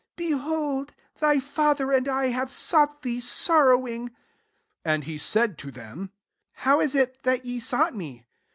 beholdf thy father and I have sought thee sorrowing," 49 And he said to them^ << How is it that ye sought me